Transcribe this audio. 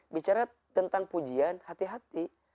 bicara tentang pujian hati hati